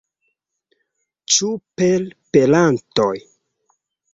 Ĉu per perantoj?